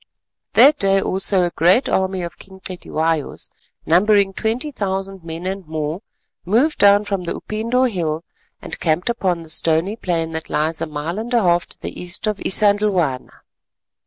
That day also a great army of King Cetywayo's, numbering twenty thousand men and more, moved down from the Upindo Hill and camped upon the stony plain that lies a mile and a half to the east of Isandhlwana.